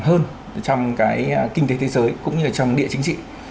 ngày càng đóng một vai trò quan trọng hơn trong cái kinh tế thế giới cũng như là trong địa chính trị